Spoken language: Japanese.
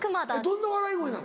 どんな笑い声なの？